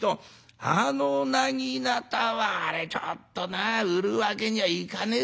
あのなぎなたはあれちょっとな売るわけにはいかねえだ」。